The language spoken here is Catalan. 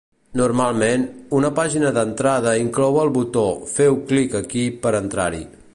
Normalment, una pàgina d'entrada inclou el botó "Feu clic aquí per entrar-hi".